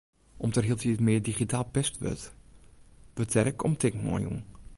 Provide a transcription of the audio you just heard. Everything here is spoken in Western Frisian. Om't der hieltyd mear digitaal pest wurdt, wurdt dêr omtinken oan jûn.